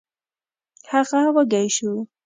هغه وږی شو.